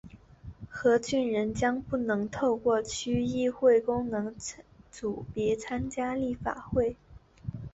何俊仁将不能透过区议会功能组别参选立法会。